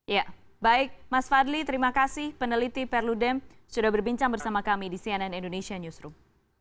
ya baik mas fadli terima kasih peneliti perludem sudah berbincang bersama kami di cnn indonesia newsroom